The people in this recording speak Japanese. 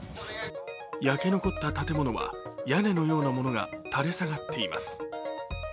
焼け残った建物は屋根のようなものが垂れ下がっています。